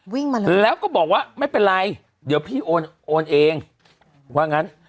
วิ่งมาเลยแล้วก็บอกว่าไม่เป็นไรเดี๋ยวพี่โอนเองว่างั้น